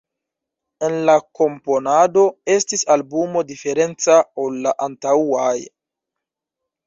En la komponado estis albumo diferenca ol la antaŭaj.